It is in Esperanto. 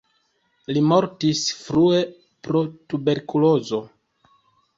Li mortis frue pro tuberkulozo.